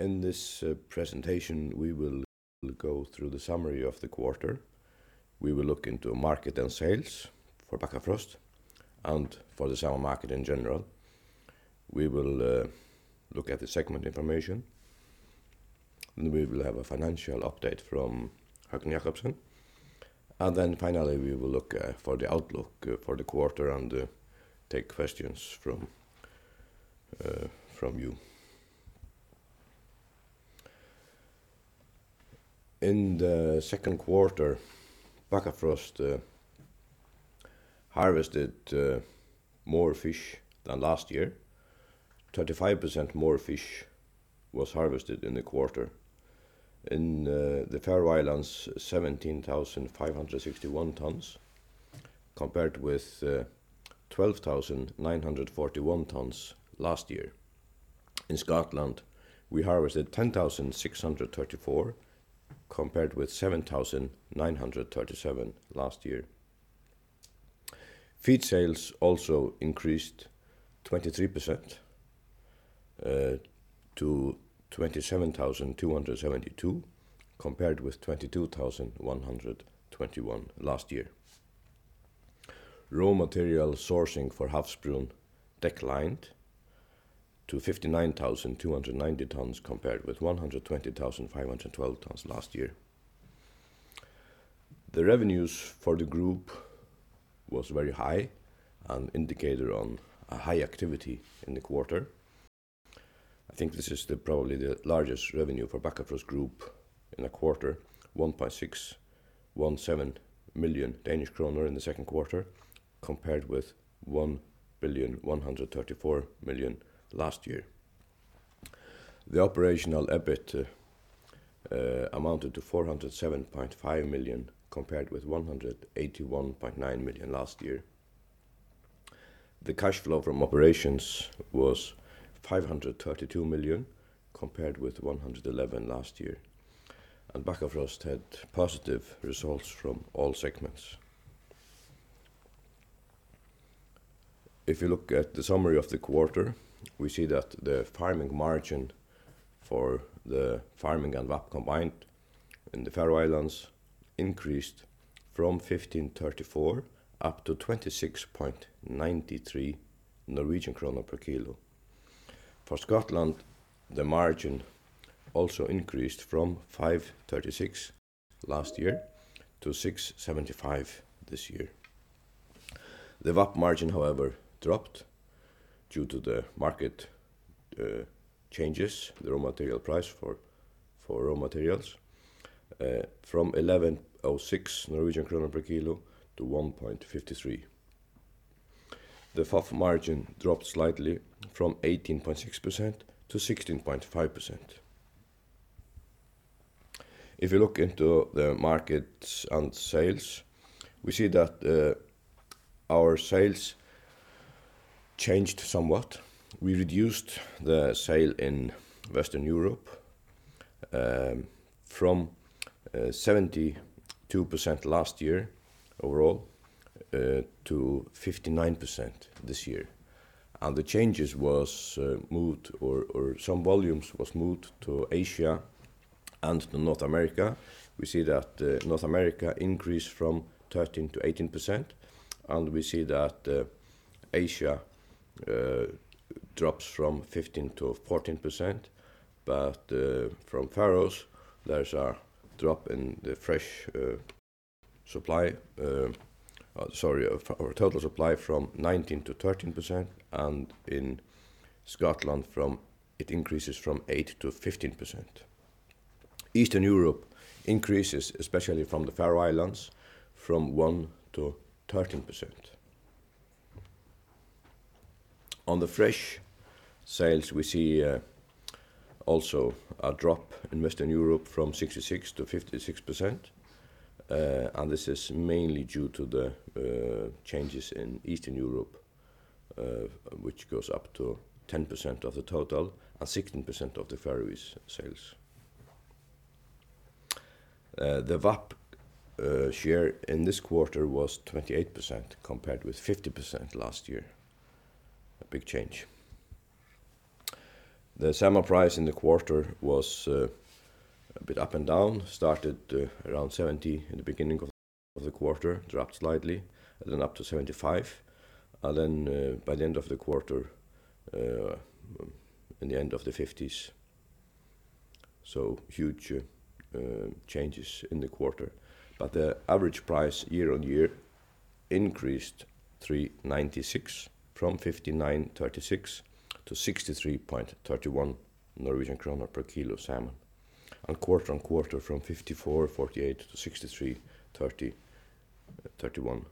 In this presentation, we will go through the summary of the quarter. We will look into market and sales for Bakkafrost and for the salmon market in general. We will look at the segment information, we will have a financial update from Høgni Jakobsen. Finally, we will look for the outlook for the quarter and take questions from you. In the second quarter, Bakkafrost harvested more fish than last year. 35% more fish was harvested in the quarter. In the Faroe Islands, 17,561 tons compared with 12,941 tons last year. In Scotland, we harvested 10,634 compared with 7,937 last year. Feed sales also increased 23% to 27,272 compared with 22,121 last year. Raw material sourcing for Havsbrún declined to 59,290 tons compared with 120,512 tons last year. The revenues for the group was very high, an indicator on a high activity in the quarter. I think this is probably the largest revenue for Bakkafrost Group in a quarter, 1,617 million Danish kroner in the second quarter compared with 1,134 million last year. The operational EBIT amounted to 407.5 million compared with 181.9 million last year. The cash flow from operations was 532 million compared with 111 million last year. Bakkafrost had positive results from all segments. If you look at the summary of the quarter, we see that the farming margin for the farming and VAP combined in the Faroe Islands increased from 15.34 up to 26.93 Norwegian krone per kilo. For Scotland, the margin also increased from 5.36 last year to 6.75 this year. The VAP margin, however, dropped due to the market changes, the raw material price for raw materials, from 11.06 Norwegian kroner per kilo to 1.53. The FOF margin dropped slightly from 18.6% to 16.5%. If you look into the markets and sales, we see that our sales changed somewhat. We reduced the sale in Western Europe from 72% last year overall to 59% this year. Some volumes was moved to Asia and to North America. We see that North America increased from 13% to 18%, and we see that Asia drops from 15% to 14%. From Faroes, there's a drop in the total supply from 19% to 13%, and in Scotland it increases from 8% to 15%. Eastern Europe increases, especially from the Faroe Islands, from 1% to 13%. On the fresh sales, we see also a drop in Western Europe from 66% to 56%. This is mainly due to the changes in Eastern Europe, which goes up to 10% of the total and 16% of the Faroese sales. The VAP share in this quarter was 28% compared with 50% last year. A big change. The salmon price in the quarter was a bit up and down. Started around 70 in the beginning of the quarter, dropped slightly, and then up to 75. Then by the end of the quarter, in the end of the DKK 50s. Huge changes in the quarter, the average price year-on-year increased 3.96 from 59.36 to 63.31 Norwegian kroner per kilo of salmon, and quarter-on-quarter from 54.48 to 63.31.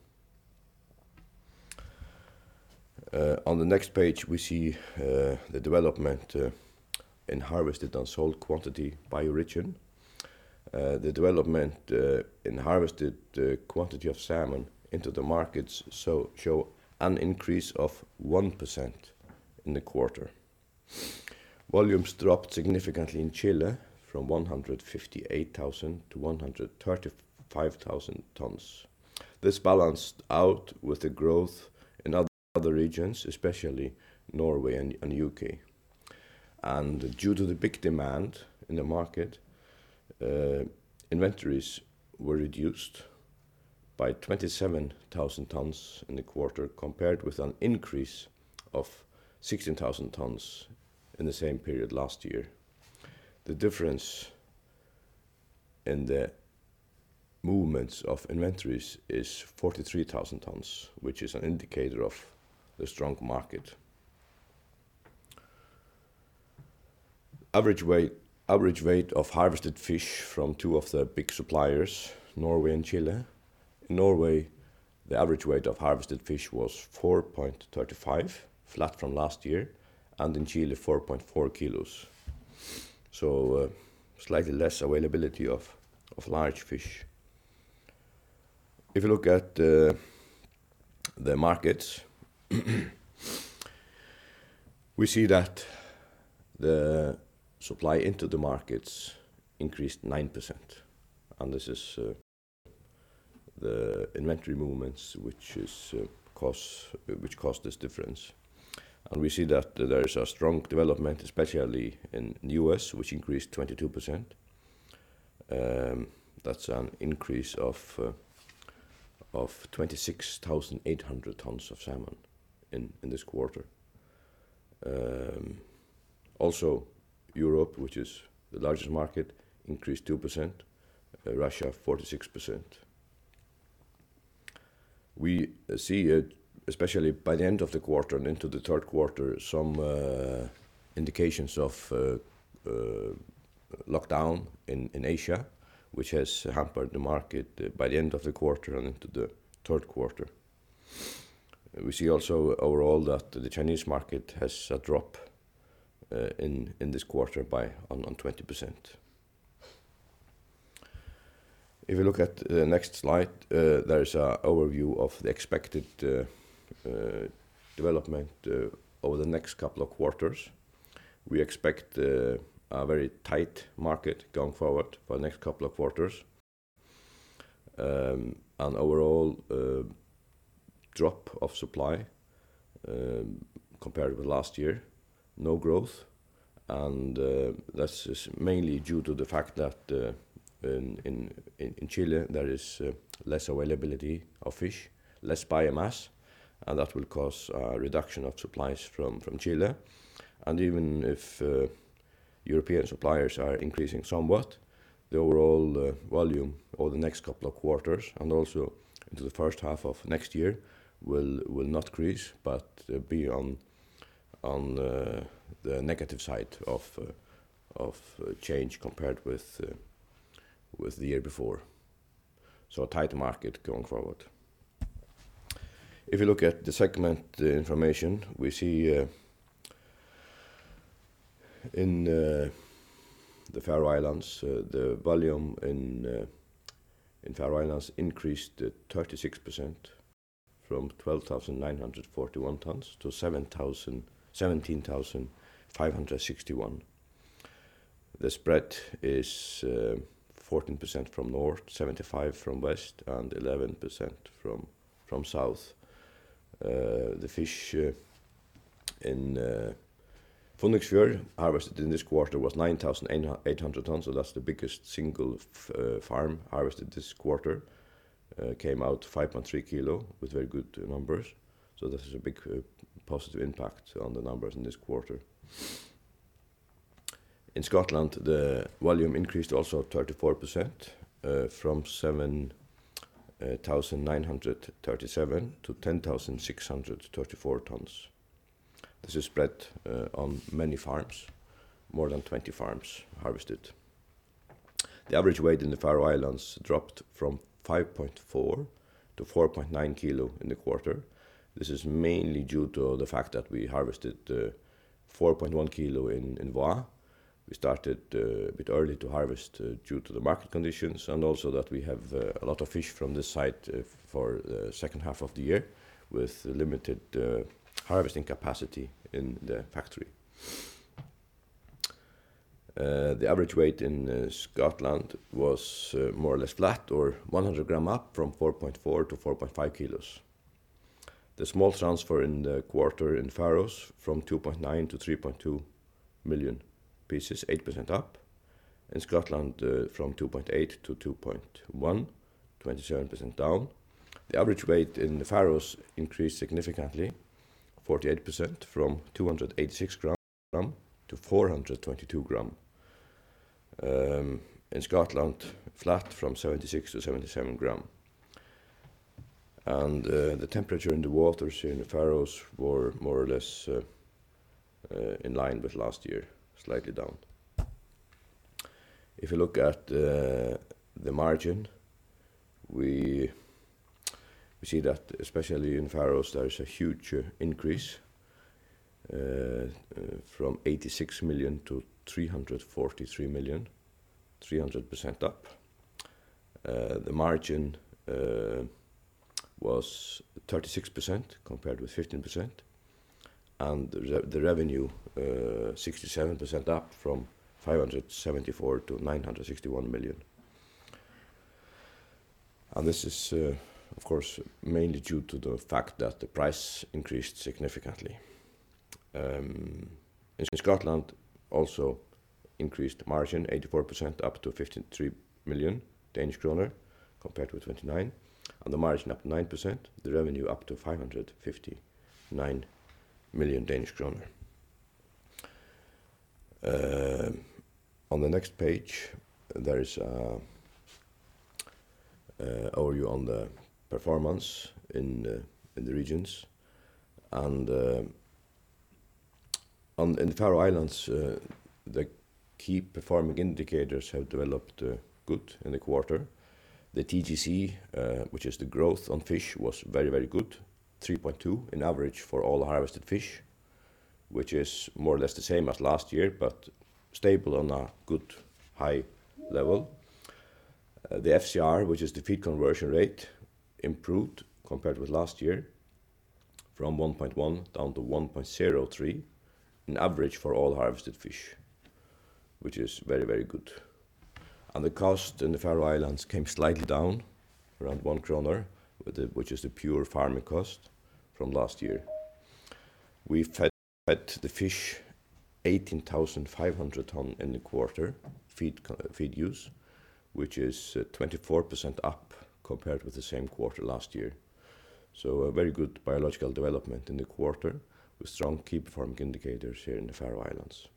On the next page, we see the development in harvested and sold quantity by region. The development in harvested quantity of salmon into the markets show an increase of 1% in the quarter. Volumes dropped significantly in Chile from 158,000 tons to 135,000 tons. This balanced out with the growth in other regions, especially Norway and U.K. Due to the big demand in the market, inventories were reduced by 27,000 tons in the quarter, compared with an increase of 16,000 tons in the same period last year. The difference in the movements of inventories is 43,000 tons, which is an indicator of the strong market. Average weight of harvested fish from two of the big suppliers, Norway and Chile. In Norway, the average weight of harvested fish was 4.35 kg, flat from last year, and in Chile, 4.4 kg. Slightly less availability of large fish. If you look at the markets, we see that the supply into the markets increased 9%. This is the inventory movements which caused this difference. We see that there is a strong development, especially in the U.S., which increased 22%. That's an increase of 26,800 tonnes of salmon in this quarter. Also, Europe, which is the largest market, increased 2%, Russia, 46%. We see it, especially by the end of the quarter and into the third quarter, some indications of lockdown in Asia, which has hampered the market by the end of the quarter and into the third quarter. We see also overall that the Chinese market has dropped in this quarter by 20%. If you look at the next slide, there is an overview of the expected development over the next couple of quarters. We expect a very tight market going forward for the next couple of quarters, overall drop of supply compared with last year, no growth. That's mainly due to the fact that in Chile, there is less availability of fish, less biomass, and that will cause a reduction of supplies from Chile. Even if European suppliers are increasing somewhat, the overall volume over the next couple quarters and also into the first half of next year will not increase, but be on the negative side of change compared with the year before. Tight market going forward. If you look at the segment information, we see in the Faroe Islands, the volume in Faroe Islands increased 36%, from 12,941 tonnes to 17,561 tonnes. The spread is 14% from north, 75% from west and 11% from south. The fish in Funningsfjørður harvested in this quarter was 9,800 tonnes, so that's the biggest single farm harvested this quarter. Came out 5.3 kg with very good numbers. This is a big positive impact on the numbers in this quarter. In Scotland, the volume increased also 34%, from 7,937 tonnes to 10,634 tonnes. This is spread on many farms. More than 20 farms harvested. The average weight in the Faroe Islands dropped from 5.4 kg to 4.9 kg in the quarter. This is mainly due to the fact that we harvested 4.1 kg in Vágar. We started a bit early to harvest due to the market conditions, and also that we have a lot of fish from this site for the second half of the year with limited harvesting capacity in the factory. The average weight in Scotland was more or less flat or 100 gram up from 4.4 to 4.5 kilos. The smolts transfer in the quarter in Faroes from 2.9 million to 3.2 million pieces, 8% up. In Scotland, from 2.8 million to 2.1 million, 27% down. The average weight in the Faroes increased significantly, 48%, from 286 g to 422 g. In Scotland, flat from 76 g to 77 g. The temperature in the waters here in the Faroes were more or less in line with last year, slightly down. If you look at the margin, we see that especially in Faroes, there is a huge increase from 86 million to 343 million, 300% up. The margin was 36% compared with 15%. The revenue 67% up from 574 million to 961 million. This is of course, mainly due to the fact that the price increased significantly. In Scotland, also increased margin, 84% up to 53 million Danish kroner compared to 29 million, and the margin up 9%, the revenue up to 559 million Danish kroner. On the next page, there is an overview on the performance in the regions. In the Faroe Islands, the Key Performance Indicators have developed good in the quarter. The TGC, which is the growth on fish, was very, very good, 3.2 in average for all harvested fish, which is more or less the same as last year, stable on a good high level. The FCR, which is the feed conversion rate, improved compared with last year from 1.1 down to 1.03 in average for all harvested fish, which is very, very good. The cost in the Faroe Islands came slightly down, around 1 kroner, which is the pure farming cost from last year. We fed the fish 18,500 tons in the quarter, feed use, which is 24% up compared with the same quarter last year. A very good biological development in the quarter with strong key performing indicators here in the Faroe Islands.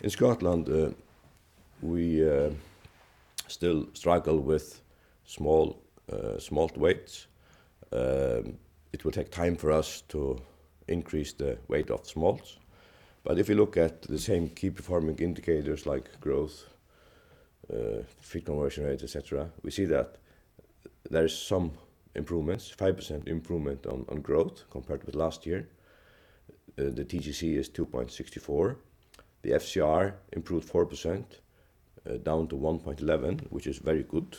In Scotland, we still struggle with small smolt weights. It will take time for us to increase the weight of smolts. If you look at the same Key Performance Indicators like growth, feed conversion rates, et cetera, we see that there is some improvements, 5% improvement on growth compared with last year. The TGC is 2.64. The FCR improved 4%, down to 1.11, which is very good.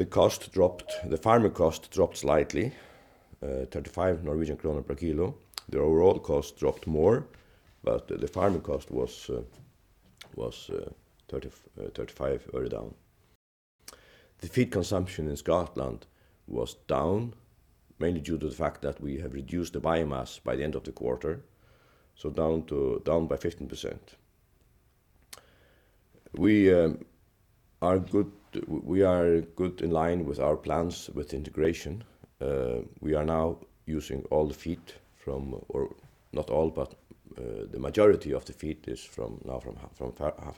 The farming cost dropped slightly, 35 Norwegian kroner per kilo. The overall cost dropped more. The farming cost was NOK 35 or down. The feed consumption in Scotland was down, mainly due to the fact that we have reduced the biomass by the end of the quarter, down by 15%. We are good in line with our plans with integration. We are now using all the feed from or not all, but the majority of the feed is now from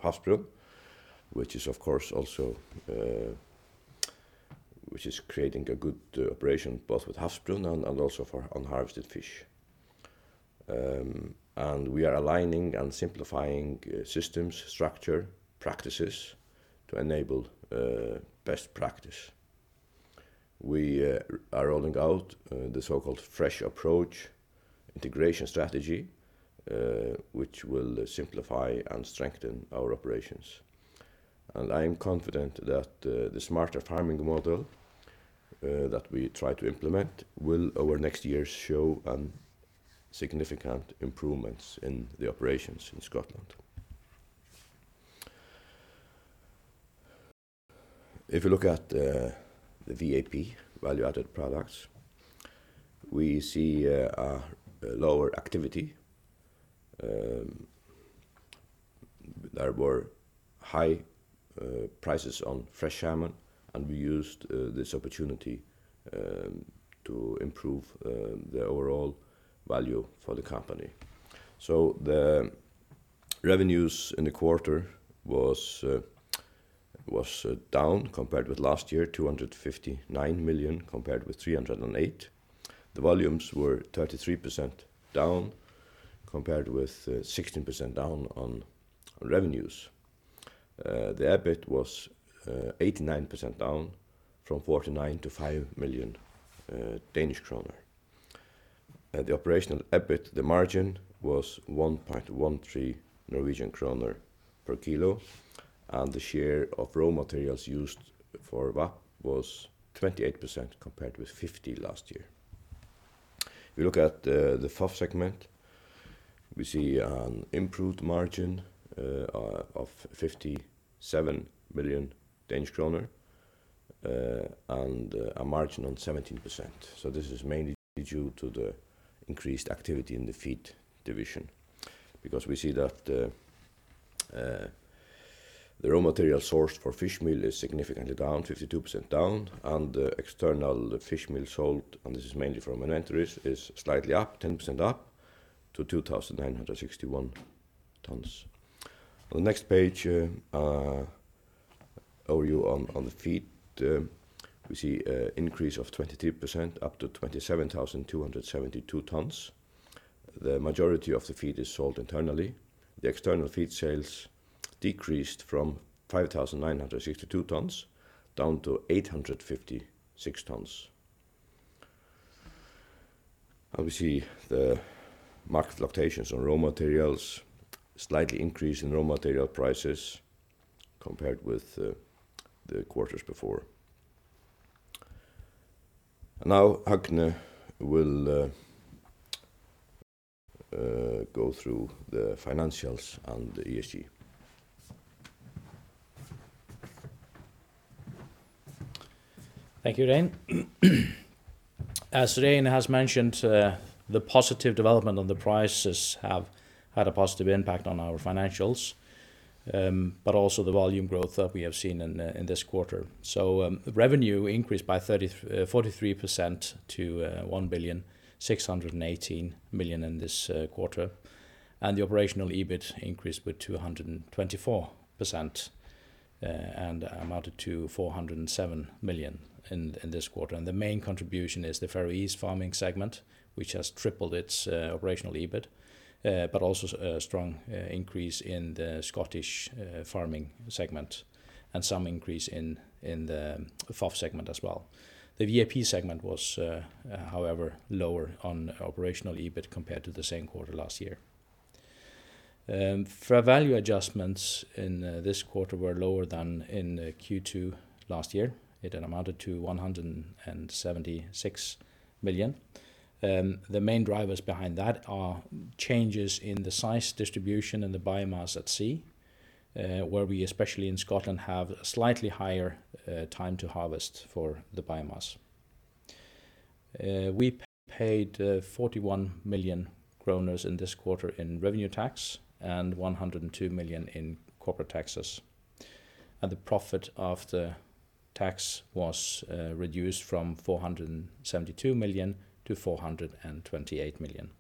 Havsbrún, which is creating a good operation both with Havsbrún and also for unharvested fish. We are aligning and simplifying systems, structure, practices to enable best practice. We are rolling out the so-called Fresh Approach integration strategy, which will simplify and strengthen our operations. I am confident that the smarter farming model that we try to implement will over next years show significant improvements in the operations in Scotland. If you look at the VAP, value-added products, we see a lower activity. There were high prices on fresh salmon, and we used this opportunity to improve the overall value for the company. The revenues in the quarter was down compared with last year, 259 million compared with 308 million. The volumes were 33% down compared with 16% down on revenues. The EBIT was 89% down from 49 million to 5 million Danish kroner. The operational EBIT, the margin, was 1.13 Norwegian kroner per kilo, and the share of raw materials used for VAP was 28% compared with 50% last year. If you look at the FOF segment, we see an improved margin of 57 million Danish kroner and a margin on 17%. This is mainly due to the increased activity in the feed division because we see that the raw material source for fish meal is significantly down, 52% down, and the external fish meal sold, and this is mainly from an inventories, is slightly up, 10% up to 2,961 tons. On the next page, overview on the feed. We see increase of 23% up to 27,272 tons. The majority of the feed is sold internally. The external feed sales decreased from 5,962 tons down to 856 tons. We see the market fluctuations on raw materials slightly increase in raw material prices compared with the quarters before. Now Høgni will go through the financials and the ESG. Thank you, Regin. As Regin has mentioned, the positive development of the prices have had a positive impact on our financials, but also the volume growth that we have seen in this quarter. Revenue increased by 43% to 1,618 million in this quarter. The operational EBIT increased with 224% and amounted to 407 million in this quarter. The main contribution is the Faroese farming segment, which has tripled its operational EBIT. Also a strong increase in the Scottish farming segment and some increase in the FOF segment as well. The VAP segment was, however, lower on operational EBIT compared to the same quarter last year. Fair value adjustments in this quarter were lower than in Q2 last year. It amounted to 176 million. The main drivers behind that are changes in the size distribution and the biomass at sea, where we, especially in Scotland, have slightly higher time to harvest for the biomass. We paid 41 million kroner in this quarter in revenue tax and 102 million in corporate taxes. The profit after tax was reduced from 472 million to 428 million.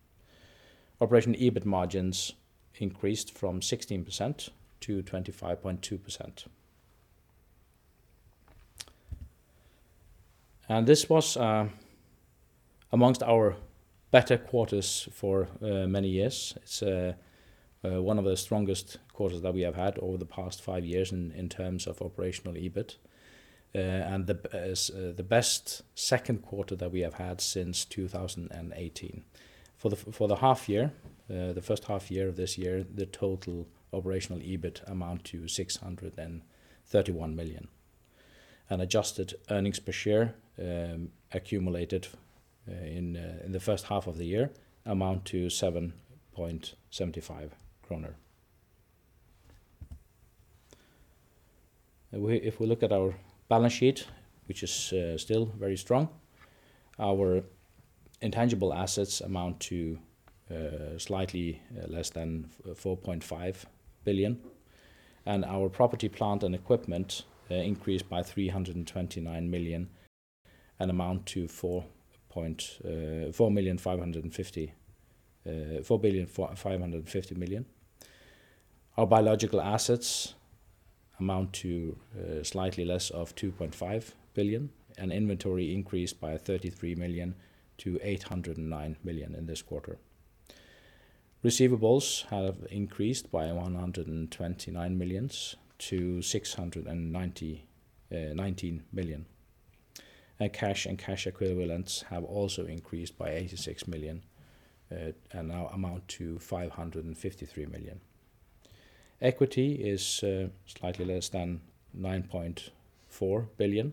Operational EBIT margins increased from 16% to 25.2%. This was amongst our better quarters for many years. It's one of the strongest quarters that we have had over the past five years in terms of operational EBIT. The best second quarter that we have had since 2018. For the first half year of this year, the total operational EBIT amount to 631 million. Adjusted earnings per share accumulated in the first half of the year amount to 7.75 kroner. If we look at our balance sheet, which is still very strong, our intangible assets amount to slightly less than 4.5 billion, and our property, plant, and equipment increased by 329 million and amount to 4,550 million. Our biological assets amount to slightly less of 2.5 billion, and inventory increased by 33 million to 809 million in this quarter. Receivables have increased by 129 millions to 619 million. Cash and cash equivalents have also increased by 86 million and now amount to 553 million. Equity is slightly less than 9.4 billion,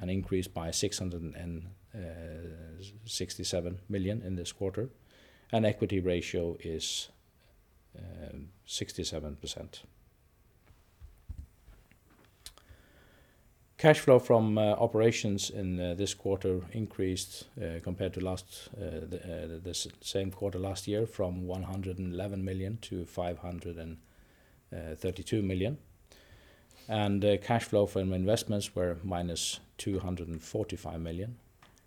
an increase by 667 million in this quarter, and equity ratio is 67%. Cash flow from operations in this quarter increased compared to the same quarter last year from 111 million to 532 million. Cash flow from investments were -245 million,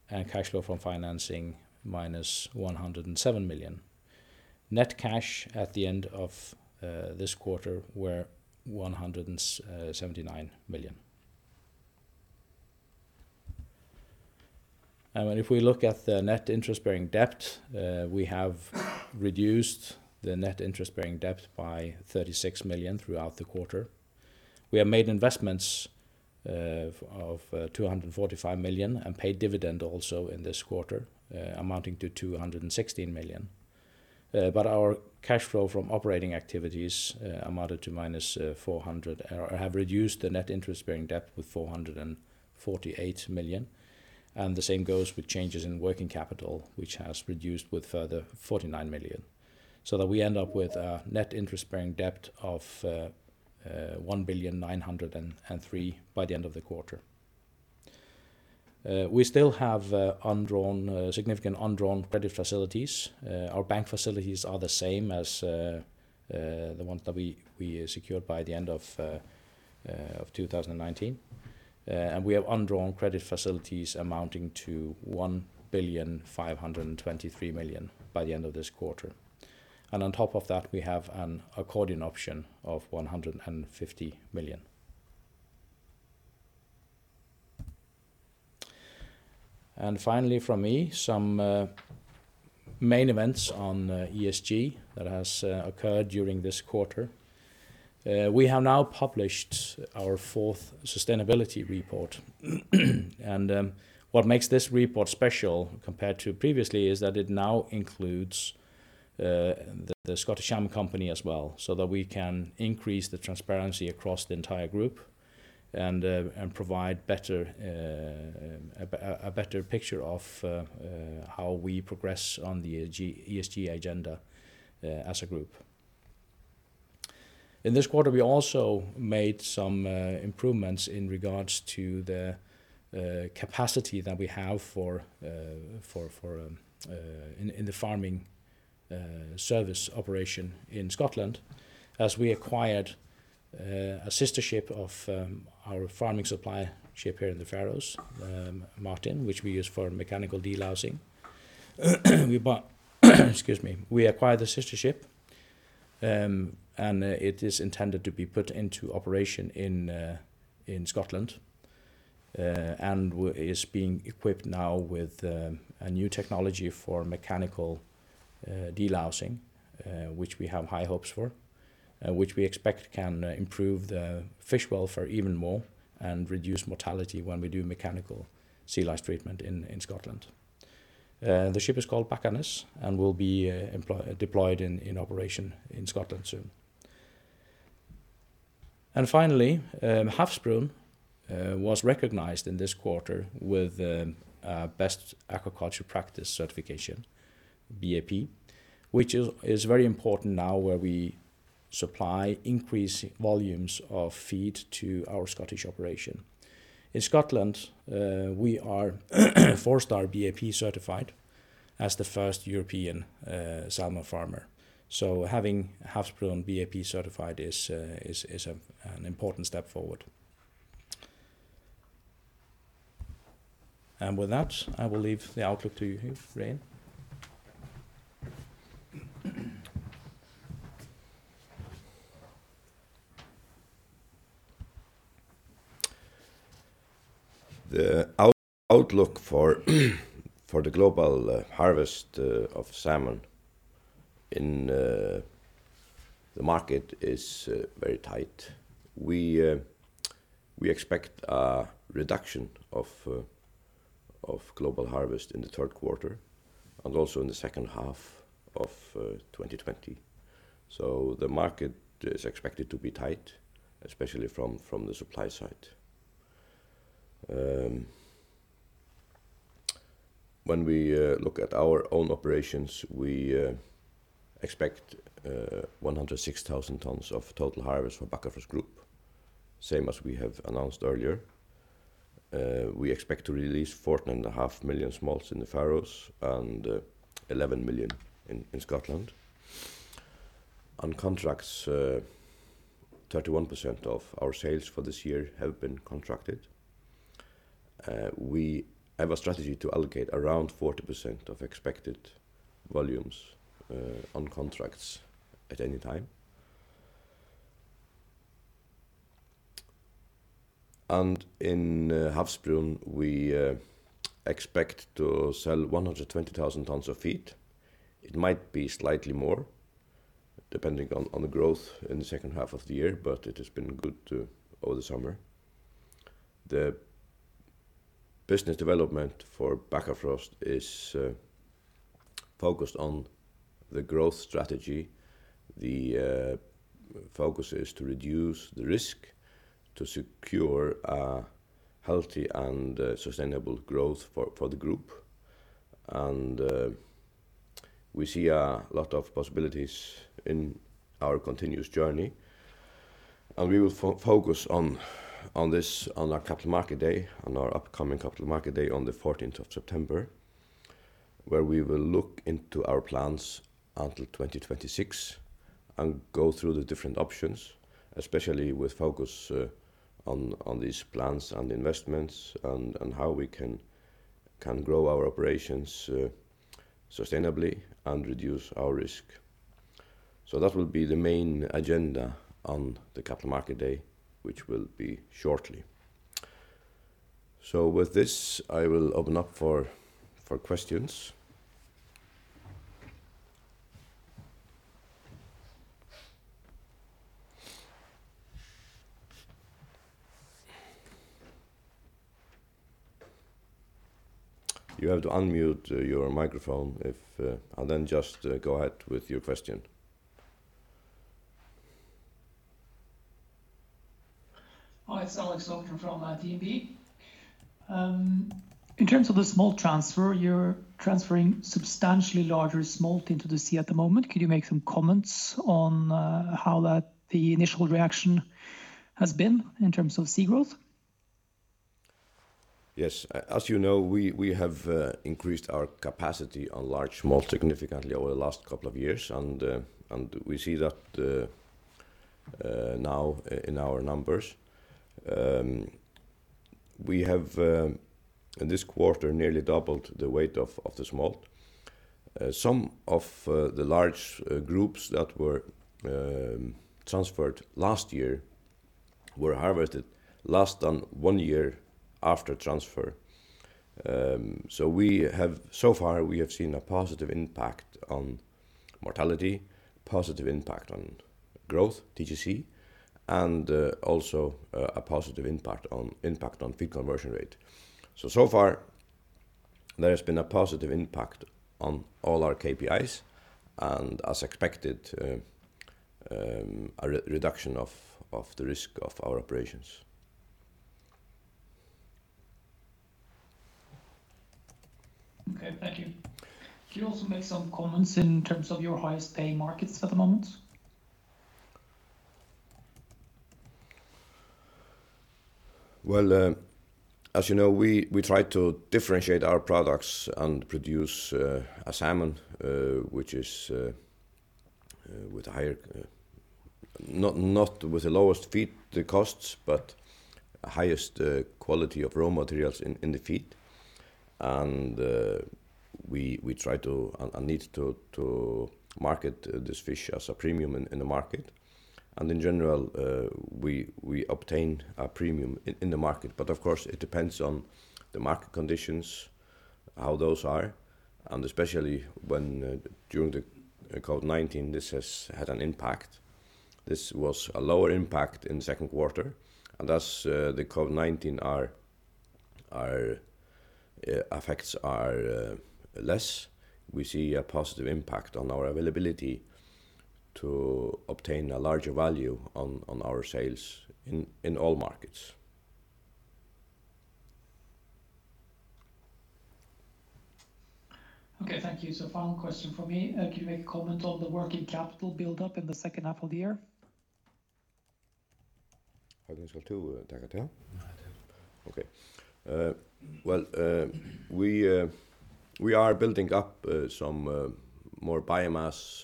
and cash flow from financing -107 million. Net cash at the end of this quarter were 179 million. If we look at the net interest-bearing debt, we have reduced the net interest-bearing debt by 36 million throughout the quarter. We have made investments of 245 million and paid dividend also in this quarter amounting to 216 million. Our cash flow from operating activities have reduced the net interest bearing debt with 448 million, and the same goes with changes in working capital, which has reduced with further 49 million, so that we end up with a net interest bearing debt of 1,903 million by the end of the quarter. We still have significant undrawn credit facilities. Our bank facilities are the same as the ones that we secured by the end of 2019. We have undrawn credit facilities amounting to 1,523 million by the end of this quarter. On top of that, we have an accordion option of 150 million. Finally from me, some main events on ESG that has occurred during this quarter. We have now published our fourth sustainability report. What makes this report special compared to previously is that it now includes the Scottish Salmon Company as well, so that we can increase the transparency across the entire group and provide a better picture of how we progress on the ESG agenda as a group. In this quarter, we also made some improvements in regards to the capacity that we have in the farming service operation in Scotland, as we acquired a sister ship of our farming supply ship here in the Faroes, Martin, which we use for mechanical delousing. We acquired the sister ship, and it is intended to be put into operation in Scotland. Is being equipped now with a new technology for mechanical delousing, which we have high hopes for, which we expect can improve the fish welfare even more and reduce mortality when we do mechanical sea lice treatment in Scotland. The ship is called Bakkanes and will be deployed in operation in Scotland soon. Finally, Havsbrún was recognized in this quarter with Best Aquaculture Practices certification, BAP, which is very important now where we supply increased volumes of feed to our Scottish operation. In Scotland, we are four-star BAP certified as the first European salmon farmer. Having Havsbrún BAP certified is an important step forward. With that, I will leave the outlook to you, Regin. The outlook for the global harvest of salmon in the market is very tight. We expect a reduction of global harvest in the third quarter, and also in the second half of 2020. The market is expected to be tight, especially from the supply side. When we look at our own operations, we expect 106,000 tonnes of total harvest for Bakkafrost Group, same as we have announced earlier. We expect to release 14.5 million smolts in the Faroes and 11 million in Scotland. On contracts, 31% of our sales for this year have been contracted. We have a strategy to allocate around 40% of expected volumes on contracts at any time. In Havsbrún, we expect to sell 120,000 tonnes of feed. It might be slightly more, depending on the growth in the second half of the year, but it has been good over the summer. The business development for Bakkafrost is focused on the growth strategy. The focus is to reduce the risk to secure a healthy and sustainable growth for the group. We see a lot of possibilities in our continuous journey. We will focus on our Capital Market Day, on our upcoming Capital Market Day on the 14th of September, where we will look into our plans until 2026 and go through the different options, especially with focus on these plans and investments and how we can grow our operations sustainably and reduce our risk. That will be the main agenda on the Capital Market Day, which will be shortly. With this, I will open up for questions. You have to unmute your microphone and then just go ahead with your question. Hi, it's Alexander Aukner from DNB. In terms of the smolt transfer, you're transferring substantially larger smolt into the sea at the moment. Could you make some comments on how the initial reaction has been in terms of sea growth? Yes. As you know, we have increased our capacity on large smolt significantly over the last couple of years. We see that now in our numbers. We have, in this quarter, nearly doubled the weight of the smolt. Some of the large groups that were transferred last year were harvested less than one year after transfer. So far, we have seen a positive impact on mortality, positive impact on growth, TGC, and also a positive impact on feed conversion rate. So far there has been a positive impact on all our KPIs and as expected, a reduction of the risk of our operations. Okay, thank you. Can you also make some comments in terms of your highest paying markets at the moment? Well, as you know, we try to differentiate our products and produce a salmon which is not with the lowest feed costs, but highest quality of raw materials in the feed. We try to, and need to market this fish as a premium in the market. In general we obtain a premium in the market, but of course it depends on the market conditions, how those are, and especially when during the COVID-19, this has had an impact. This was a lower impact in the second quarter, and as the COVID-19 effects are less, we see a positive impact on our availability to obtain a larger value on our sales in all markets. Okay, thank you. Final question from me. Can you make a comment on the working capital buildup in the second half of the year? How does that go too, Høgni? Okay. Well, we are building up some more biomass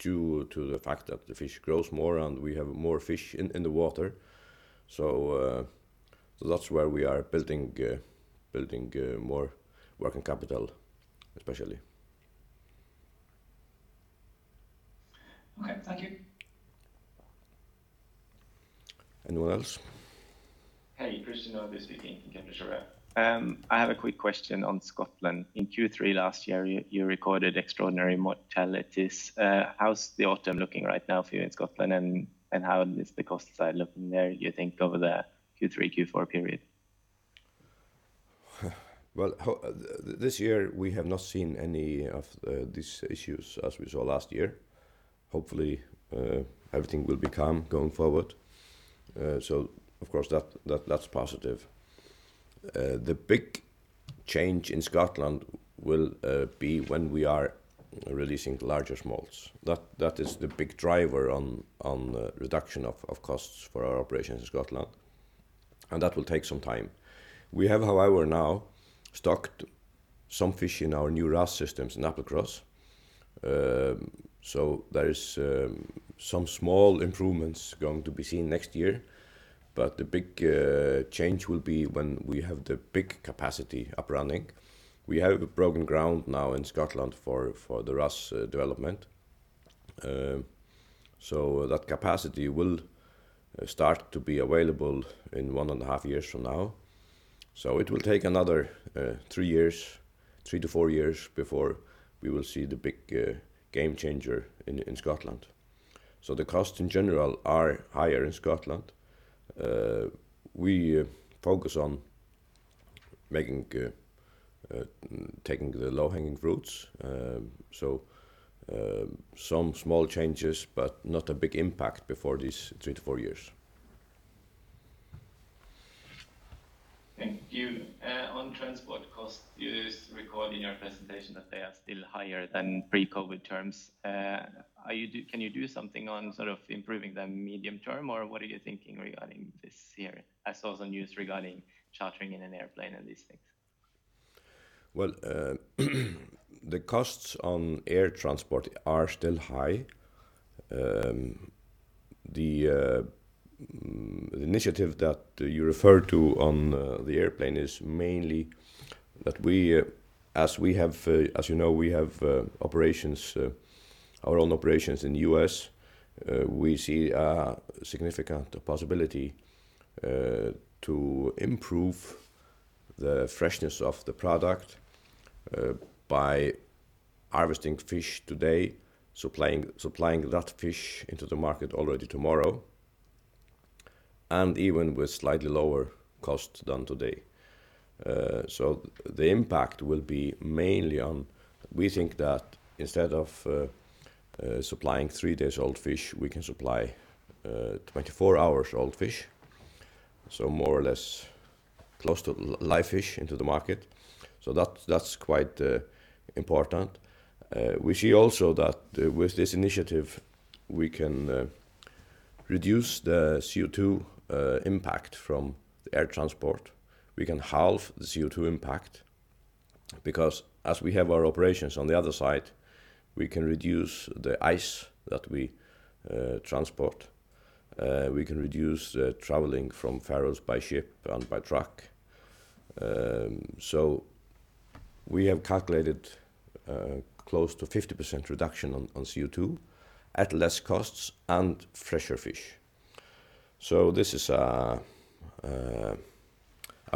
due to the fact that the fish grows more and we have more fish in the water. That's where we are building more working capital, especially. Okay, thank you. Anyone else? Hey, Christian Nordby speaking from Kepler Cheuvreux. I have a quick question on Scotland. In Q3 last year, you recorded extraordinary mortalities. How's the autumn looking right now for you in Scotland, and how is the cost side looking there, you think over the Q3, Q4 period? Well, this year we have not seen any of these issues as we saw last year. Hopefully everything will be calm going forward. Of course that's positive. The big change in Scotland will be when we are releasing the larger smolts. That is the big driver on the reduction of costs for our operations in Scotland, and that will take some time. We have, however, now stocked some fish in our new RAS systems in Applecross. There is some small improvements going to be seen next year, but the big change will be when we have the big capacity up running. We have broken ground now in Scotland for the RAS development. That capacity will start to be available in one and a half years from now. It will take another three years-four years before we will see the big game changer in Scotland. The costs in general are higher in Scotland. We focus on taking the low-hanging fruits. Some small changes, but not a big impact before these three years-four years. Thank you. On transport costs, you record in your presentation that they are still higher than pre-COVID-19 terms. Can you do something on improving them medium term, or what are you thinking regarding this year? I saw some news regarding chartering in an airplane and these things. Well, the costs on air transport are still high. The initiative that you refer to on the airplane is mainly that as you know, we have our own operations in the U.S. We see a significant possibility to improve the freshness of the product by harvesting fish today, supplying that fish into the market already tomorrow, and even with slightly lower costs than today. The impact will be mainly on, we think that instead of supplying three days old fish, we can supply 24 hours old fish, so more or less close to live fish into the market. That's quite important. We see also that with this initiative, we can reduce the CO2 impact from the air transport. We can halve the CO2 impact because as we have our operations on the other side, we can reduce the ice that we transport. We can reduce the traveling from Faroes by ship and by truck. We have calculated close to 50% reduction on CO2 at less costs and fresher fish. This is a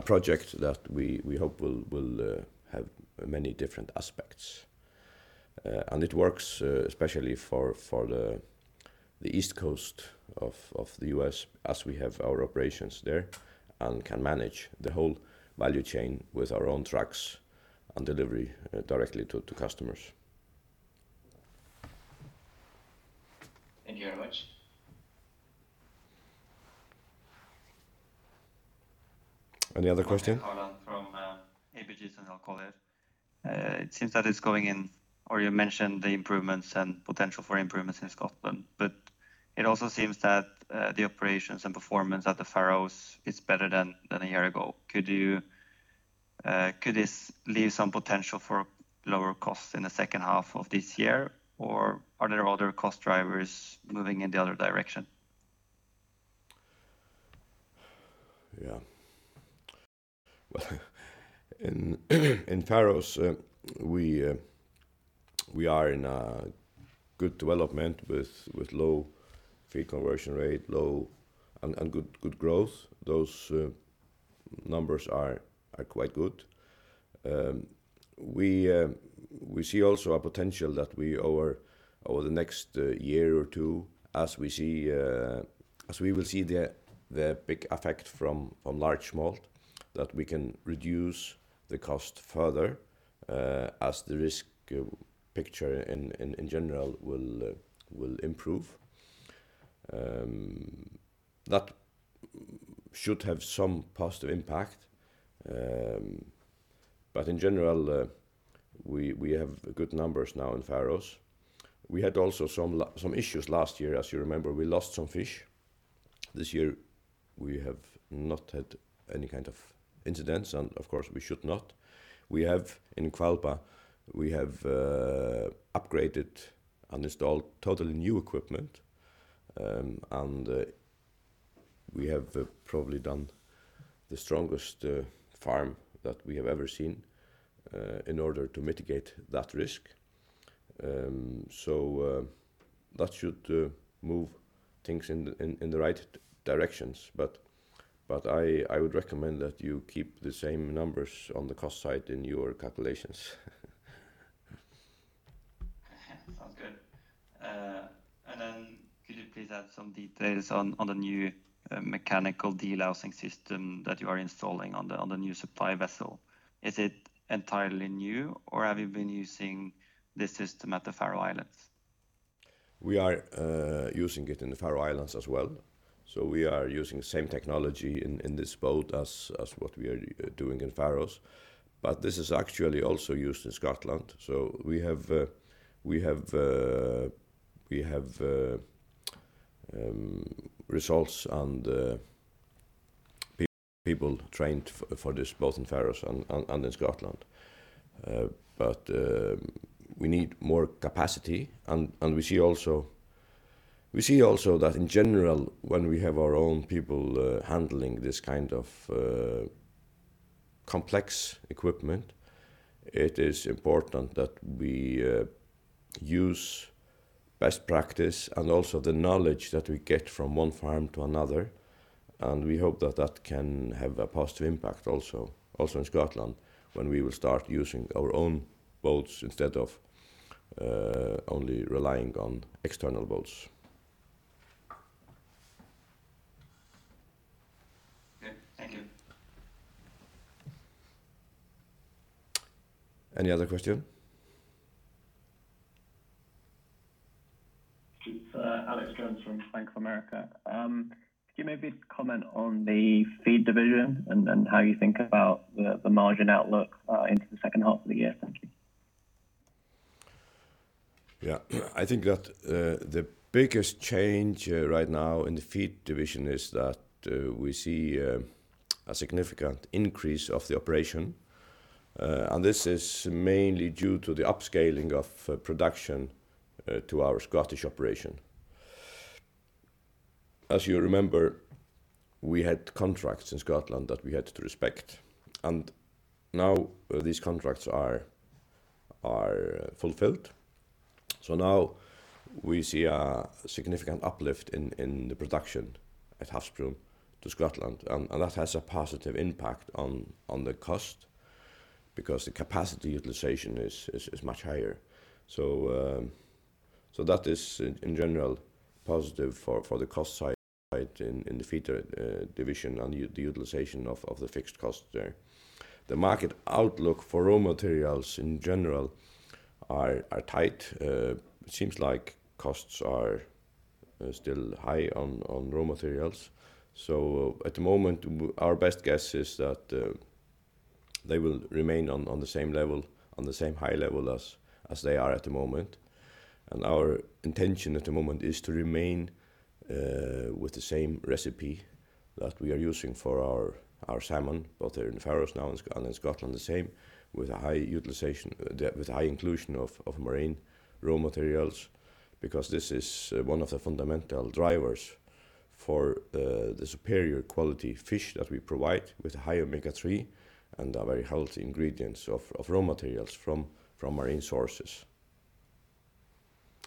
project that we hope will have many different aspects. It works especially for the East Coast of the U.S. as we have our operations there and can manage the whole value chain with our own trucks and delivery directly to customers. Thank you very much. Any other question? from ABG Sundal Collier here. You mentioned the improvements and potential for improvements in Scotland, but it also seems that the operations and performance at the Faroes is better than a year ago. Could this leave some potential for lower costs in the second half of this year, or are there other cost drivers moving in the other direction? Yeah. Well, in Faroes, we are in a good development with low feed conversion rate and good growth. Those numbers are quite good. We see also a potential that over the next year or two, as we will see the big effect from large smolt, that we can reduce the cost further, as the risk picture in general will improve. That should have some positive impact. In general, we have good numbers now in Faroes. We had also some issues last year. As you remember, we lost some fish. This year, we have not had any kind of incidents, and of course we should not. In Hvalba, we have upgraded and installed totally new equipment, and we have probably done the strongest farm that we have ever seen in order to mitigate that risk. That should move things in the right directions, but I would recommend that you keep the same numbers on the cost side in your calculations. Sounds good. Could you please add some details on the new mechanical delousing system that you are installing on the new supply vessel? Is it entirely new, or have you been using this system at the Faroe Islands? We are using it in the Faroe Islands as well. We are using the same technology in this boat as what we are doing in Faroes. This is actually also used in Scotland. We have results and people trained for this both in Faroes and in Scotland. We need more capacity, and we see also that in general, when we have our own people handling this kind of complex equipment, it is important that we use best practice and also the knowledge that we get from one farm to another. We hope that that can have a positive impact also in Scotland when we will start using our own boats instead of only relying on external boats. Okay. Thank you. Any other question? It's Alex Jones from Bank of America. Could you maybe comment on the feed division and how you think about the margin outlook into the second half of the year? Thank you. Yeah. I think that the biggest change right now in the feed division is that we see a significant increase of the operation. This is mainly due to the upscaling of production to our Scottish operation. As you remember, we had contracts in Scotland that we had to respect, and now these contracts are fulfilled. Now we see a significant uplift in the production at Havsbrún to Scotland, and that has a positive impact on the cost because the capacity utilization is much higher. That is, in general, positive for the cost side in the feed division and the utilization of the fixed cost there. The market outlook for raw materials in general are tight. It seems like costs are still high on raw materials. At the moment, our best guess is that they will remain on the same high level as they are at the moment. Our intention at the moment is to remain with the same recipe that we are using for our salmon, both here in the Faroes now and in Scotland the same, with a high inclusion of marine raw materials because this is one of the fundamental drivers for the superior quality fish that we provide with high omega-3 and the very healthy ingredients of raw materials from marine sources.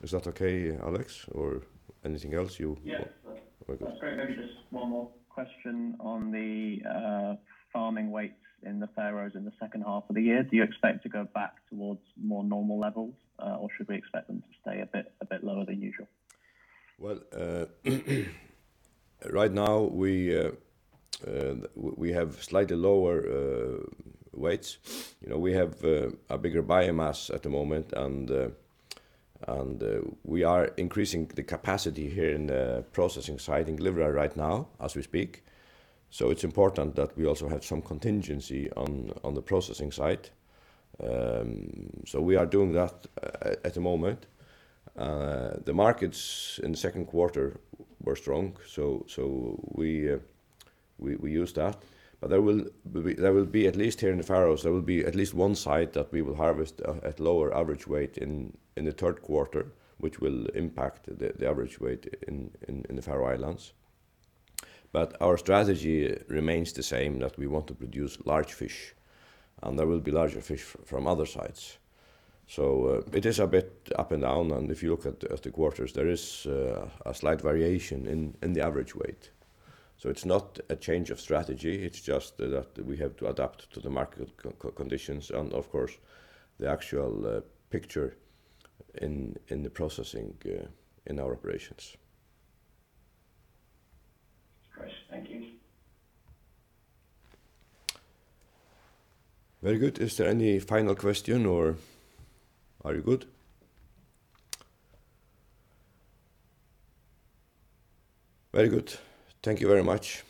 Is that okay, Alex? Or anything else you want? Yes. That's great. Just one more question on the farming weights in the Faroes in the second half of the year. Do you expect to go back towards more normal levels? Or should we expect them to stay a bit lower than usual? Well, right now, we have slightly lower weights. We have a bigger biomass at the moment, and we are increasing the capacity here in the processing site in Glyvrar right now as we speak, so it's important that we also have some contingency on the processing site. We are doing that at the moment. The markets in the second quarter were strong, so we used that, but there will be, at least here in the Faroes, at least one site that we will harvest at lower average weight in the third quarter, which will impact the average weight in the Faroe Islands. Our strategy remains the same, that we want to produce large fish, and there will be larger fish from other sites. It is a bit up and down, and if you look at the quarters, there is a slight variation in the average weight. It's not a change of strategy, it's just that we have to adapt to the market conditions and, of course, the actual picture in the processing in our operations. Great. Thank you. Very good. Is there any final question, or are you good? Very good. Thank you very much.